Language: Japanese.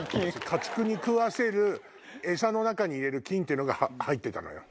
家畜に食わせる餌の中に入れる菌ってのが入ってたのよ。